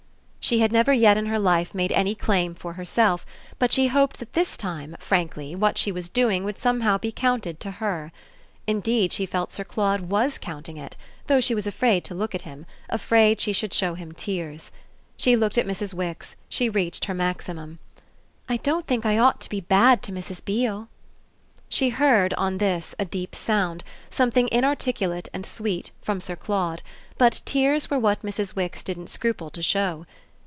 She had never yet in her life made any claim for herself, but she hoped that this time, frankly, what she was doing would somehow be counted to her. Indeed she felt Sir Claude WAS counting it, though she was afraid to look at him afraid she should show him tears. She looked at Mrs. Wix; she reached her maximum. "I don't think I ought to be bad to Mrs. Beale." She heard, on this, a deep sound, something inarticulate and sweet, from Sir Claude; but tears were what Mrs. Wix didn't scruple to show.